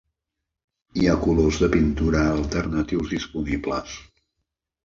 Hi ha colors de pintura alternatius disponibles.